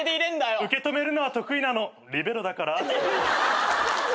受け止めるのは得意なのリベロだから。